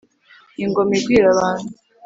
ingoma igwira abantu.